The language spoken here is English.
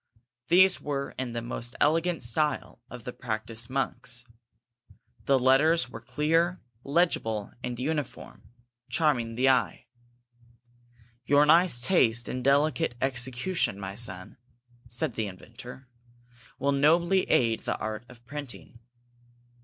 These were in the most elegant style of the practiced monks. The letters were clear, legible, and uniform, charming the eye. "Your nice taste and delicate execution, my son," said the inventor, "will nobly aid the art of printing.